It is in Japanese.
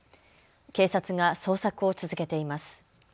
警察が捜索を続けています。